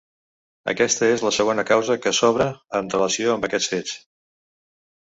Aquesta és la segona causa que s’obre en relació amb aquests fets.